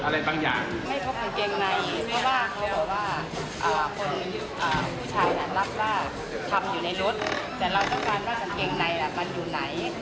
แต่เราต้องการว่ากางเกงไนมันอยู่ไหน